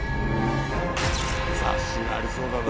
雑誌がありそうだなぁ。